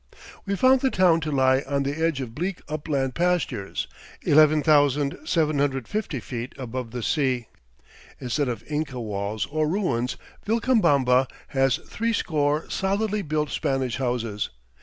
We found the town to lie on the edge of bleak upland pastures, 11,750 feet above the sea. Instead of Inca walls or ruins Vilcabamba has threescore solidly built Spanish houses.